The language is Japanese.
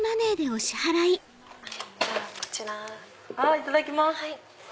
いただきます。